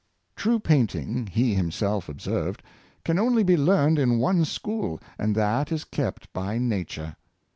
True painting, he himself observed, can only be learned in one school^ and that is kept by Nature.